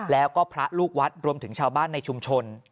แล้วก็พระลูกวัดรวมถึงชาวบ้านในชุมชน